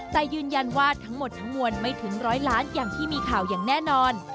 แต่ยืนยันว่าทั้งหมดทั้งมวลไม่ถึงร้อยล้านอย่างที่มีข่าวอย่างแน่นอน